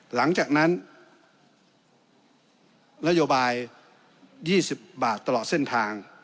หลังจากนั้นนโยบาย๒๐บาทตลอดเส้นทาง